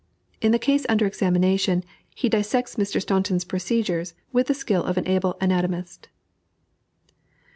In the case under examination, he dissects Mr. Staunton's procedures with the skill of an able anatomist.